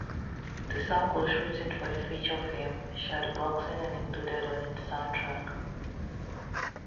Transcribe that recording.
The song was written for the feature film "Shadowboxing" and included on its soundtrack.